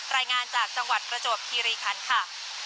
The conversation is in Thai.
รายงานจากจังหวัดประจวบคีรีคันค่ะ